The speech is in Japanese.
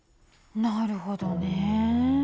なるほどね。